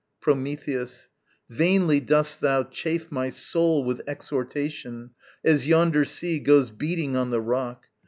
Prometheus. Vainly dost thou chafe My soul with exhortation, as yonder sea Goes beating on the rock.